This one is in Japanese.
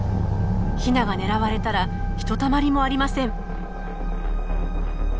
ヒナが狙われたらひとたまりもありません。